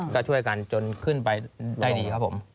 ก็ช่วยกันจนขึ้นไปได้ดีครับผม